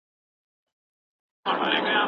سوداګر یې یو میین، یو لیونی دی